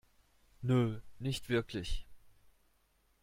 Nö, nicht wirklich.